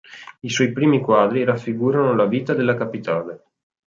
I suoi primi quadri raffigurano la vita della capitale.